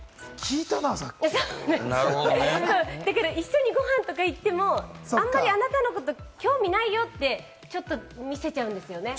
一緒にご飯とか行っても、あんまりあなたのことを興味ないよって。ちょっと見せちゃうんですよね。